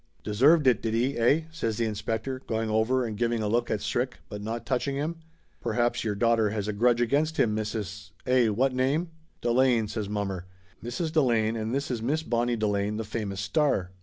"Deserved it, did he, eh?" says the inspector, going over and giving a look at Strick, but not touching him. "Perhaps your daughter has a grudge against him, Mrs. eh, what name?" "Delane!" says mommer. "Mrs. Delane and this is Miss Bonnie Delane, the famous star."